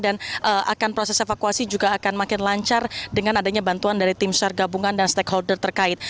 dan akan proses evakuasi juga akan makin lancar dengan adanya bantuan dari tim syar gabungan dan stakeholder terkait